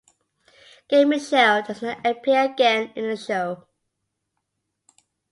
Gary Mitchell does not appear again in the show.